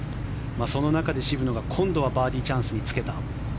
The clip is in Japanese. その中で渋野が今度はバーディーチャンスにつけた。